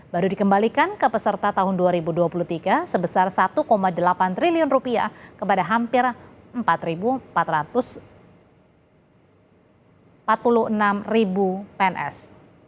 baru dikembalikan ke peserta tahun dua ribu dua puluh tiga sebesar rp satu delapan triliun kepada hampir empat empat ratus empat puluh enam pns